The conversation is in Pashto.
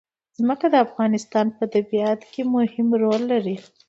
ځمکه د افغانستان په طبیعت کې مهم رول لري.